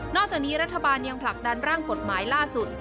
จากนี้รัฐบาลยังผลักดันร่างกฎหมายล่าสุด